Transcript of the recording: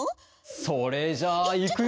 それじゃあいくよ！